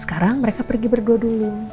sekarang mereka pergi berdua dulu